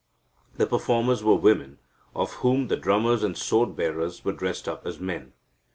The performers were women, of whom the drummers and sword bearers were dressed up as men.